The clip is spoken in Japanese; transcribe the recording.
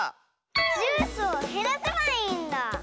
ジュースをへらせばいいんだ！